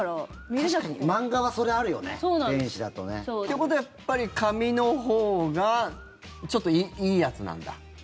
確かに漫画はそれあるよね、電子だと。ってことはやっぱり紙のほうがちょっといいやつなんだ？